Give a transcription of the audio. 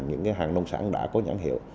những cái hàng nông sản đã có nhãn hiệu